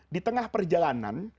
di tengah perjalanan